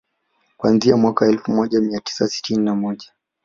Kuanzia mwaka elfu moja mia tisa sitini na moja